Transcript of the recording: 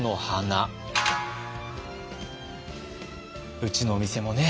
うちのお店もね